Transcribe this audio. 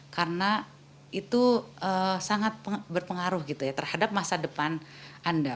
karena itu sangat berpengaruh terhadap masa depan anda